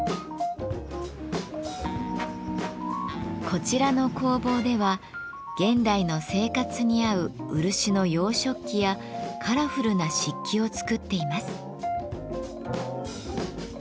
こちらの工房では現代の生活に合う漆の洋食器やカラフルな漆器を作っています。